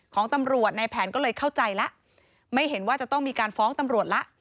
ของตำรวจในแผนก็เลยเข้าใจแล้วไม่เห็นว่าจะต้องมีการฟ้องตำรวจละ